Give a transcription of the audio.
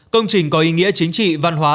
công trình có ý nghĩa chính trị văn hóa